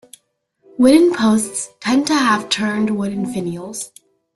Wooden posts tend to have turned wood finials.